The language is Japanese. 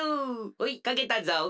ほいかけたぞ。